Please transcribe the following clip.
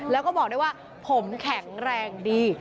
แล้วก็บอกได้ว่าผมแข็งแรงดี